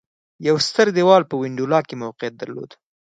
یو ستر دېوال په وینډولا کې موقعیت درلود